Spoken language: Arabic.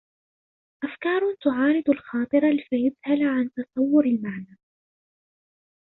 أَفْكَارٌ تُعَارِضُ الْخَاطِرِ فَيَذْهَلُ عَنْ تَصَوُّرِ الْمَعْنَى